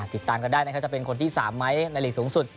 ติดตามกันได้นะครับจะเป็นคนที่๓ไหมในหลีกสูงสุด